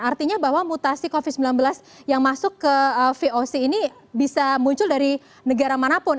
artinya bahwa mutasi covid sembilan belas yang masuk ke voc ini bisa muncul dari negara manapun